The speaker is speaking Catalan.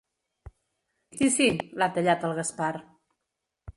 Sí sí —l'ha tallat el Gaspar.